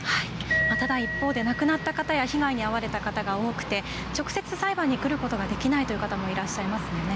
ただ一方で亡くなった方や被害に遭われた方が多くて直接裁判に来ることができないという方もいらっしゃいますよね。